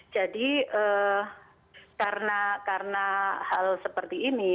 karena hal seperti ini